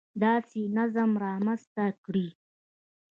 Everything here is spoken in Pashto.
داسې نظم رامنځته کړي